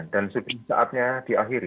dan setidaknya diakhiri